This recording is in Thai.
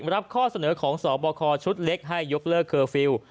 รับข้อเสนอของสบคชุดเล็กให้ยกเลิกเคอร์ฟิลล์